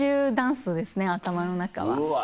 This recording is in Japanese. うわ！